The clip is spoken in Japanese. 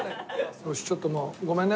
よしちょっともうごめんね。